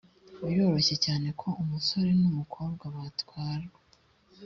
biroroshye cyane ko umusore n umukobwa batwarwa